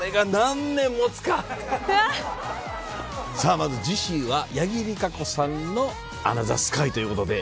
まず次週は八木莉可子さんのアナザースカイということで。